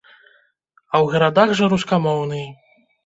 А ў гарадах жа рускамоўныя.